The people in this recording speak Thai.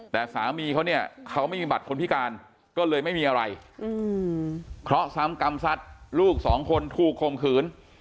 แต่สามีเขาเนี่ยเขาไม่มีบัตรคนพิการก็เลยไม่มีอะไรเคราะห์ซ้ำกรรมสัตว์ลูกสองคนถูกคมขืน